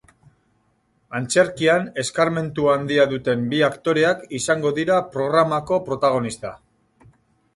Antzerkian eskarmentu handia duten bi aktoreak izango dira programako protagonista.